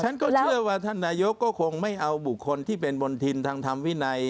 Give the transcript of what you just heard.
ฉันก็เชื่อว่าท่านนายกก็คงไม่เอาบุคคลที่เป็นมณฑินทางธรรมวินัย